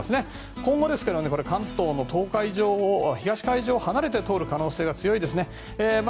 今後、関東の東海上を離れて通る可能性が強いですね。